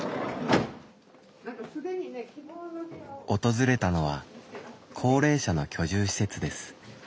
訪れたのは高齢者の居住施設です。